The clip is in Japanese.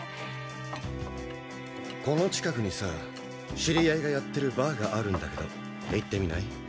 この近くにさ知り合いがやってるバーがあるんだけど行ってみない？